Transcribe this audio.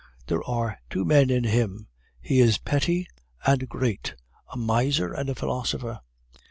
There are two men in him; he is petty and great a miser and a philosopher.